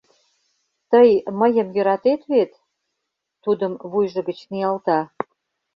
— Тый мыйым йӧратет вет? — тудым вуйжо гыч ниялта.